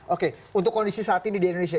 oke untuk kondisi saat ini di indonesia